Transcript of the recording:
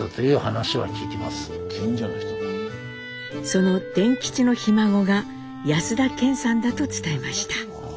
その傳吉のひ孫が安田顕さんだと伝えました。